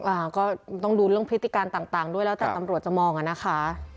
อ่าก็ต้องดูเรื่องพฤติการต่างต่างด้วยแล้วแต่ตำรวจจะมองอ่ะนะคะ